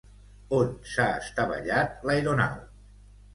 On s'ha estavellat l'aeronau?